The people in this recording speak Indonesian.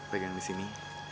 pegang di sini